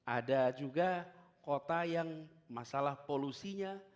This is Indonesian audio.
ada juga kota yang masalah polusinya